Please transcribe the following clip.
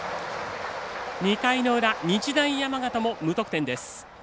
２回の裏、日大山形も無得点です。